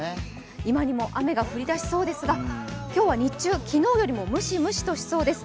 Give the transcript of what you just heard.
今にも雨が降りだしそうですが今日は日中、昨日よりもムシムシとしそうです。